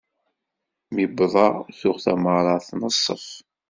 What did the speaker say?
Mi wwḍeɣ tuɣ tameɣra tneṣṣef.